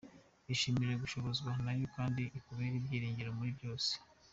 Ishimire gushobozwa na yo kandi ikubere ibyiringiro muri byose!.